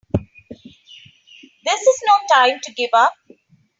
This is no time to give up!